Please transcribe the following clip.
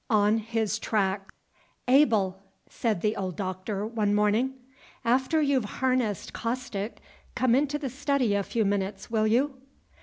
ON HIS TRACKS. "Able!" said the old Doctor, one morning, "after you've harnessed Caustic, come into the study a few minutes, will you?"